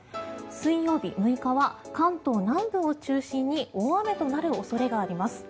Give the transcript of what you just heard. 水曜日、６日は関東南部を中心に大雨となる恐れがあります。